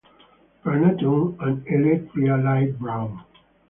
Pronotum and elytra light brown.